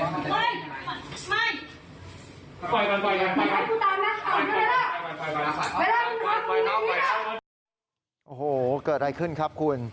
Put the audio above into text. โอ้โหเกิดอะไรขึ้นครับคุณ